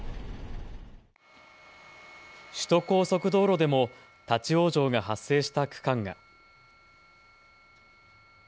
首都高速道路でも立往生が発生した区間が。